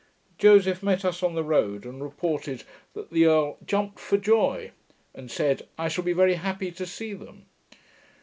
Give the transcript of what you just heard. Joseph met us on the road, and reported that the earl 'jumped for joy', and said, 'I shall be very happy to see them.'